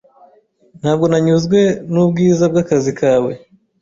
Ntabwo nanyuzwe nubwiza bwakazi kawe.